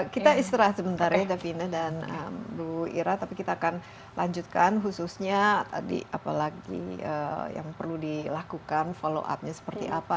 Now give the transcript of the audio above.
kita istirahat sebentar ya davina dan bu ira tapi kita akan lanjutkan khususnya tadi apalagi yang perlu dilakukan follow up nya seperti apa